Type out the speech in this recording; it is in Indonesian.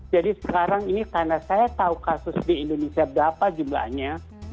jadi sekarang ini karena saya tahu kasus di indonesia berapa jumlahnya